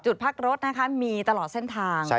จุดพักรถนะคะมีตลอดเส้นทาง